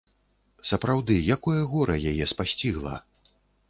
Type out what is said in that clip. Сапраўды, якое гора яе спасцігла!